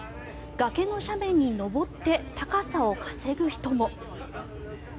崖の斜面に上って高さを稼ぐ人も。